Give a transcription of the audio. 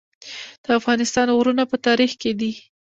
د افغانستان غرور په تاریخ کې دی